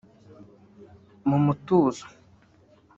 mu mutuzo